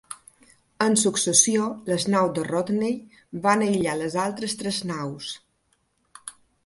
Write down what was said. En successió, les naus de Rodney van aïllar les altres tres naus.